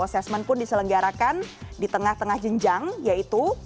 assessment pun diselenggarakan di tengah tengah jenjang yaitu